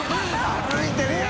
歩いてるよ